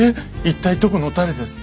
一体どこの誰です？」。